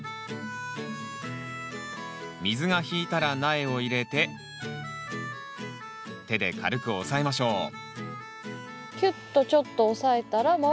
水が引いたら苗を入れて手で軽く押さえましょうキュッとちょっと押さえたら周りを。